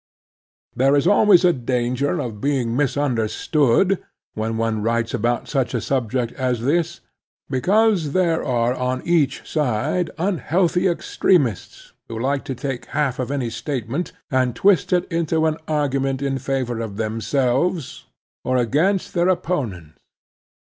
There is always danger of being misimderstood when one writes about such a subject as this, because there are on each side unhealthy extrem 1 ists who like to take half of any statement and I twist it into an argument in favor of themselves or against their opponents.